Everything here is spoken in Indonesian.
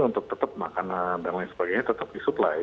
untuk tetap makanan dan lain sebagainya tetap disuplai